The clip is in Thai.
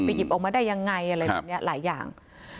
หยิบออกมาได้ยังไงอะไรแบบนี้หลายอย่าง